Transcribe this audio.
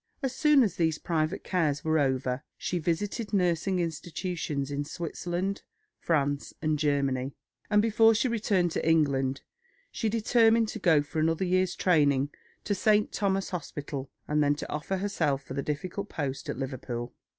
As soon as these private cares were over, she visited nursing institutions in Switzerland, France, and Germany, and before she returned to England she determined to go for another year's training to St. Thomas's Hospital, and then to offer herself for the difficult post at Liverpool.